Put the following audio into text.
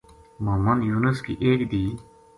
محمدیونس کی ایک دھِی